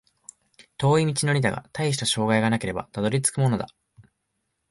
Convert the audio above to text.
遠い道のりだが、たいした障害がなければたどり着くものだ